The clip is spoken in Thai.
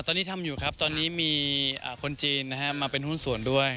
ตอนนี้ทำอยู่ครับตอนนี้มีคนจีนมาเป็นหุ้นส่วนด้วย